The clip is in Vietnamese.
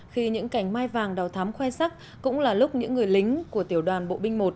khi những cảnh mai vàng đào thắm khoe sắc cũng là lúc những người lính của tiểu đoàn bộ binh một